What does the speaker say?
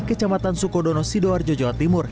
kecamatan sukodono sidoarjo jawa timur